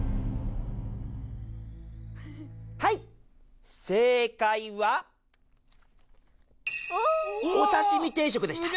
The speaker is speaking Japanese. はい正解は「おさしみ定食」でした。